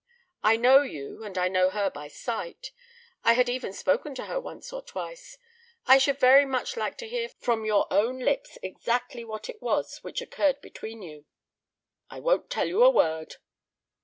I know you, and I knew her by sight—I had even spoken to her once or twice. I should very much like to hear from your own lips exactly what it was which occurred between you." "I won't tell you a word."